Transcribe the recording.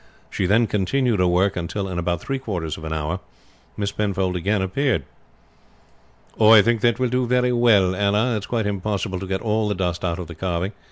She then continued her work until in about three quarters of an hour Miss Penfold again appeared. "I think that will do very well, Anna; it is quite impossible to get all the dust out of the carving.